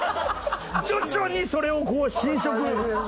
徐々にそれをこう侵食。